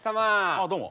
あどうも。